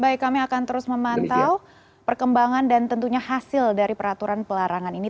baik kami akan terus memantau perkembangan dan tentunya hasil dari peraturan pelarangan ini